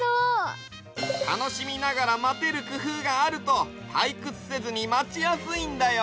たのしみながらまてるくふうがあるとたいくつせずにまちやすいんだよ。